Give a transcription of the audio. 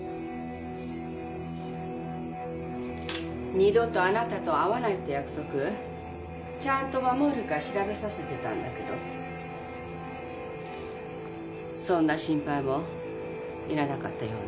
二度とあなたと会わないって約束ちゃんと守るか調べさせてたんだけどそんな心配もいらなかったようね。